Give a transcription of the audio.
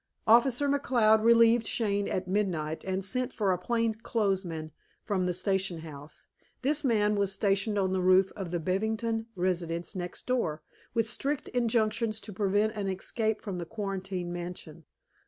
"Officer McCloud relieved Shane at midnight, and sent for a plain clothes man from the station house. This man was stationed on the roof of the Bevington residence next door, with strict injunctions to prevent an escape from the quarantined mansion.